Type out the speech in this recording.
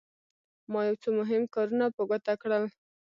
ما یو څو مهم کارونه په ګوته کړل.